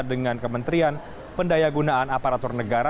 dengan kementerian pendaya gunaan aparatur negara